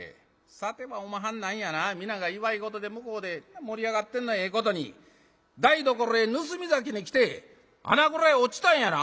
さてはおまはん何やな皆が祝い事で向こうで盛り上がってるのをええことに台所へ盗み酒に来て穴蔵へ落ちたんやな？」。